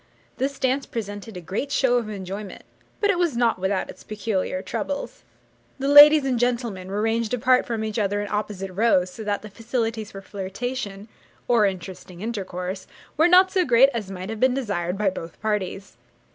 This dance presented a great show of enjoyment, but it was not without its peculiar troubles. The ladies and gentlemen were ranged apart from each other in opposite rows, so that the facilities for flirtation, or interesting intercourse, were not so great as might have been desired by both parties.